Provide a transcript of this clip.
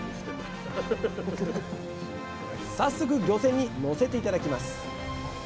早速漁船に乗せて頂きます